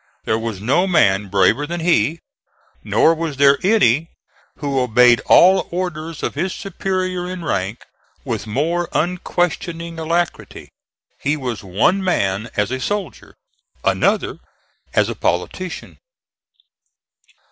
There was no man braver than he, nor was there any who obeyed all orders of his superior in rank with more unquestioning alacrity. He was one man as a soldier, another as a politician.